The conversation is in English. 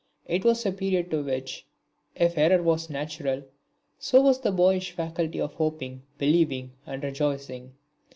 It was a period to which, if error was natural, so was the boyish faculty of hoping, believing and rejoicing.